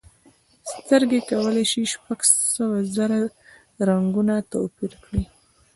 سترګې کولی شي شپږ سوه زره رنګونه توپیر کړي.